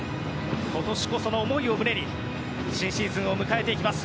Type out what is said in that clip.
今年こその思いを胸に新シーズンを迎えます。